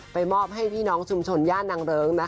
มอบให้พี่น้องชุมชนย่านนางเริง